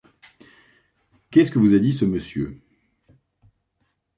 Qu'est-ce que vous a dit ce monsieur ?